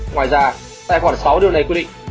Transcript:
ngoài ra tại khoản sáu điều này quyết định